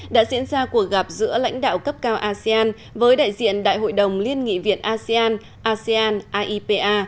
đã diễn ra cuộc gặp giữa lãnh đạo cấp cao asean với đại diện đại hội đồng liên nghị viện asean asean aipa